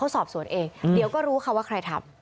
เขาสอบสวนเองเดี๋ยวก็รู้ค่ะว่าใครทำ